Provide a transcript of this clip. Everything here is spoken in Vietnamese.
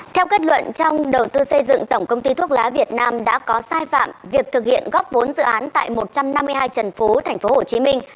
theo kết luận trong đầu tư xây dựng tổng công ty thuốc lá việt nam đã có sai phạm việc thực hiện góp vốn dự án tại một trăm năm mươi hai trần phú tp hcm